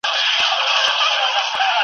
درته ایښي د څپلیو دي رنګونه .